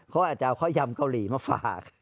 เขาอาจจะเอาข้าวยำเกาหลีมาฝาก